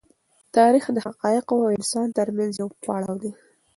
تاریخ د حقایقو او انسان تر منځ یو پړاو دی.